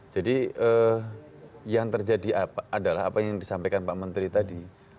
jadi yang terjadi adalah apa yang disampaikan pak menteri tadi